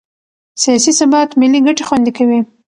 سیاسي ثبات ملي ګټې خوندي کوي